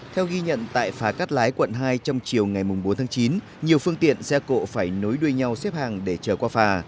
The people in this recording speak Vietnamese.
theo ghi nhận tại phà cắt lái quận hai trong chiều ngày bốn tháng chín nhiều phương tiện xe cộ phải nối đuôi nhau xếp hàng để chờ qua phà